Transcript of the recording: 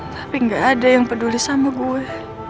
tapi gak ada yang peduli sama gue